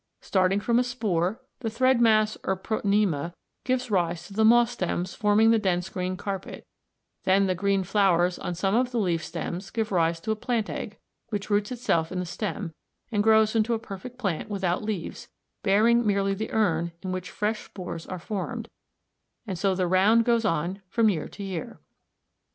Starting from a spore, the thread mass or protonema gives rise to the moss stems forming the dense green carpet, then the green flowers on some of the leaf stems give rise to a plant egg, which roots itself in the stem, and grows into a perfect plant without leaves, bearing merely the urn in which fresh spores are formed, and so the round goes on from year to year.